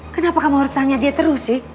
kenapa kamu harus tanya dia terus sih